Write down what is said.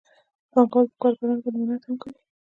پانګوال په کارګرانو باندې منت هم کوي